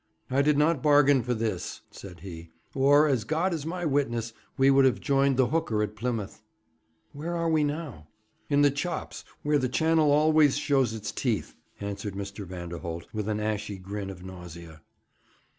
'I did not bargain for this,' said he, 'or, as God is my witness, we would have joined the hooker at Plymouth.' 'Where are we now?' 'In the Chops, where the Channel always shows its teeth,' answered Mr. Vanderholt, with an ashy grin of nausea.